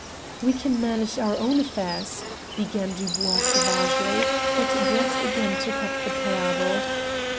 "We can manage our own affairs," began Dubois savagely; but Brett again took up the parable.